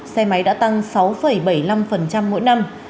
xe máy đã tăng sáu bảy mươi năm mỗi năm